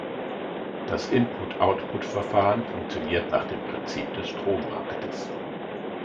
Das Input-Output-Verfahren funktioniert nach dem Prinzip des Strommarktes.